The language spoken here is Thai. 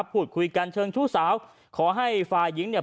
พูดคุยกันเชิงชู้สาวขอให้ฝ่ายหญิงเนี่ย